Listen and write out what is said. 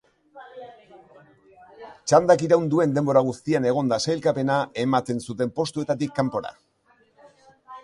Txandak iraun duen denbora guztian egon da sailkapena ematen zuten postuetatik kanpora.